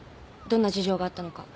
どんな事情があったのか。